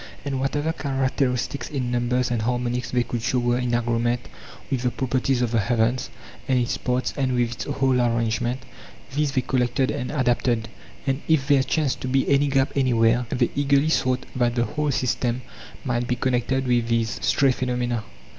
And whatever characteristics in numbers and harmonies they could show were in agreement with the properties of the heavens and its parts and with its whole arrangement, these they collected and adapted ; and if there chanced to be any gap anywhere, they eagerly sought that the whole system might be con nected with these (stray. phenomena).